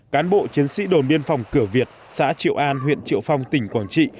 cán bộ chiến sĩ đồn biên phòng cửa việt xã triệu an huyện triệu phong tỉnh quảng trị